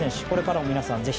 これからも皆さん